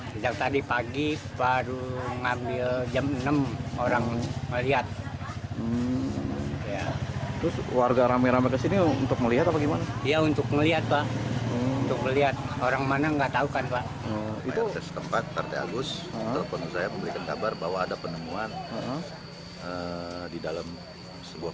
sejak tadi pagi baru ngambil jam enam orang melihat